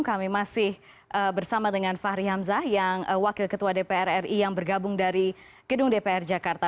kami masih bersama dengan fahri hamzah yang wakil ketua dpr ri yang bergabung dari gedung dpr jakarta